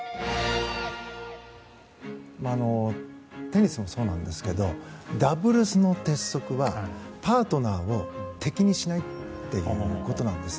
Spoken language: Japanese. テニスもそうなんですけどダブルスの鉄則はパートナーを敵にしないということなんです。